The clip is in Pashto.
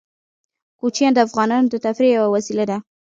کوچیان د افغانانو د تفریح یوه وسیله ده.